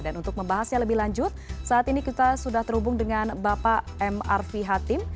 untuk membahasnya lebih lanjut saat ini kita sudah terhubung dengan bapak mr v hatim